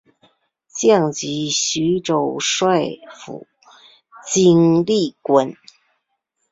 降级徐州帅府经历官。